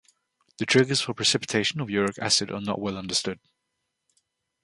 The triggers for precipitation of uric acid are not well understood.